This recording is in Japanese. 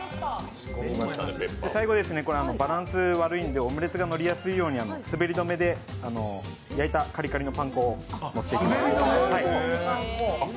最後、バランス悪いんでオムレツ乗りやすいように滑り止めで焼いたカリカリのパン粉をのせていきます。